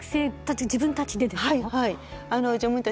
はい。